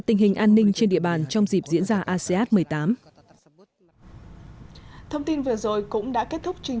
tình hình an ninh trên địa bàn trong dịp diễn ra asean một mươi tám thông tin vừa rồi cũng đã kết thúc chương